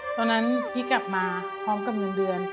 ตอนนั้นพี่กลับมาพร้อมกับเงินเดือน